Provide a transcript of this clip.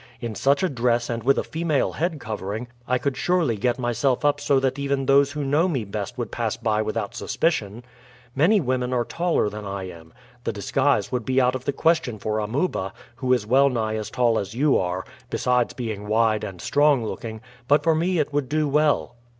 In such a dress and with a female head covering I could surely get myself up so that even those who know me best would pass by without suspicion. Many women are taller than I am. The disguise would be out of the question for Amuba, who is well nigh as tall as you are, besides being wide and strong looking, but for me it would do well."